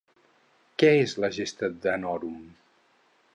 Què és la Gesta Danorum?